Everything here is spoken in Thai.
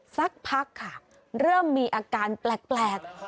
สักพักค่ะเริ่มมีอาการแปลก